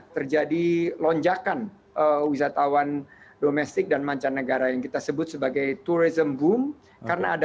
terjadi lonjakan wisatawan domestik dan mancanegara yang kita sebut sebagai tourism boom karena ada